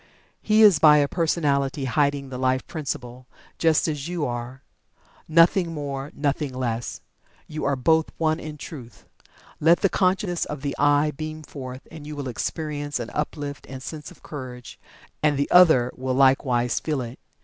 He is by a personality hiding the Life Principle, just as you are. Nothing more nothing less! You are both One in Truth. Let the conscious of the "I" beam forth and you will experience an uplift and sense of Courage, and the other will likewise feel it.